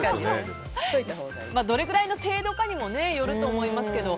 どれくらいの程度かにもよると思いますけど。